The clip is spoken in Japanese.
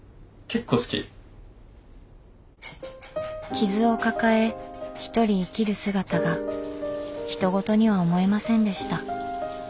傷を抱えひとり生きる姿がひと事には思えませんでした。